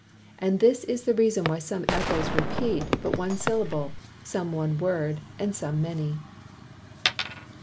And this is the reason, why some Ecchoes repeat but one Syllable, some one Word, and some many.